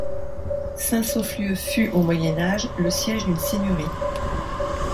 Saint-Sauflieu fut, au Moyen Âge, le siège d'une seigneurie.